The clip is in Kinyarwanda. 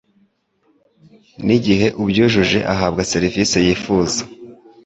n'igiheubyujuje ahabwa serivisi yifuza.